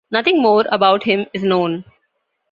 Nothing more about him is known.